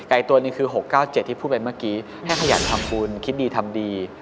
อีกตัวหนึ่งคือ๖๙๗ที่พูดไปเมื่อกี้ให้ขยันทำบุญคิดดีทำดี